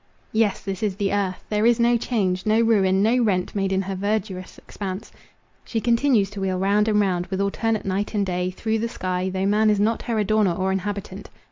Yes, this is the earth; there is no change—no ruin—no rent made in her verdurous expanse; she continues to wheel round and round, with alternate night and day, through the sky, though man is not her adorner or inhabitant.